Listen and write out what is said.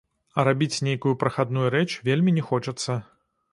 А рабіць нейкую прахадную рэч вельмі не хочацца.